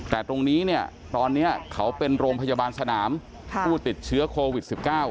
แต่ตรงนี้เนี่ยตอนนี้เขาเป็นโรงพยาบาลสนามผู้ติดเชื้อโควิด๑๙